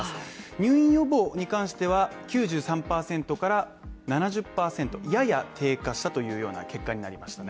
入院予防に関しては９３％から７０％、やや低下したという結果になりましたね。